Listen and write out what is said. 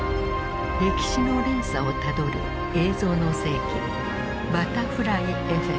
歴史の連鎖をたどる「映像の世紀バタフライエフェクト」。